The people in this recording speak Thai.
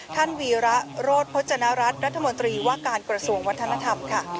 วีระโรธพจนรัฐรัฐรัฐมนตรีว่าการกระทรวงวัฒนธรรมค่ะ